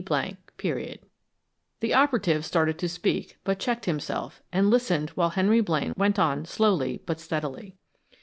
_ The operative started to speak, but checked himself, and listened while Henry Blaine went on slowly but steadily.